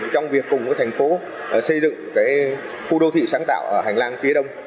trong việc cùng với thành phố xây dựng cái khu đô thị sáng tạo ở hành lan phía đông